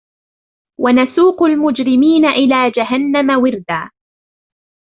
وَنَسُوقُ الْمُجْرِمِينَ إِلَى جَهَنَّمَ وِرْدًا